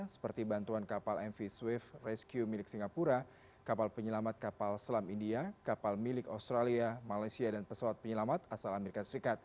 seperti bantuan kapal mv swift rescue milik singapura kapal penyelamat kapal selam india kapal milik australia malaysia dan pesawat penyelamat asal amerika serikat